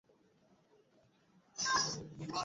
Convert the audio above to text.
তুমি নিশ্চয়ই ভাবছ না চোরের দল আমাদের আগেই কাজ সেরে ফেলেছে?